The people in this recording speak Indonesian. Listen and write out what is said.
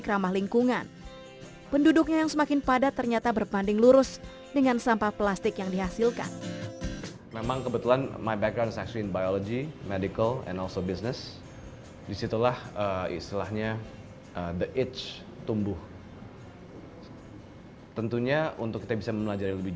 kevin pun memutuskan untuk mulai mengembangkan bisnis pengganti plastik sebagai produk andalannya dengan nama avani